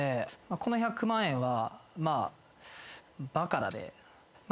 この１００万円は。